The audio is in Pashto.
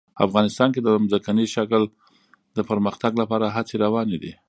افغانستان کې د ځمکني شکل د پرمختګ لپاره هڅې روانې دي.